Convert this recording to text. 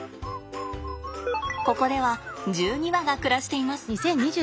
ここでは１２羽が暮らしています。